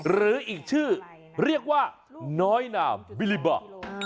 หรืออีกชื่อเรียกว่าน้อยนามบิลิบะ